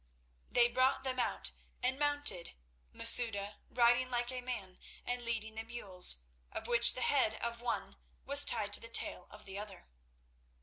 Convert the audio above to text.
They brought them out and mounted, Masouda riding like a man and leading the mules, of which the head of one was tied to the tail of the other.